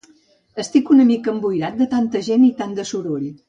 Estic una mica emboirat de tanta gent i tant de soroll.